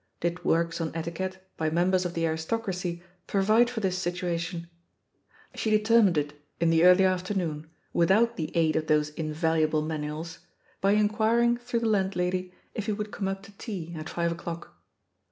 Did works on etiquette by members of the aristocracy provide for this situation? She determined it in the early afternoon, without the aid of those in valuable manuals, by inquiring through the land lady if he would come up to tea at five o'clock.